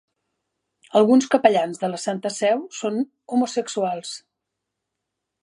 Alguns capellans de la Santa Seu són homosexuals.